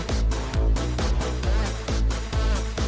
โปรดติดตามต่อไป